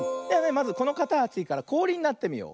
まずこのかたちからこおりになってみよう。